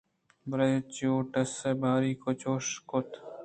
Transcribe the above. بلے پلوٹس ءِ باریگ ءَ چُش کُت